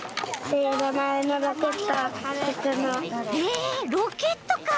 えロケットか。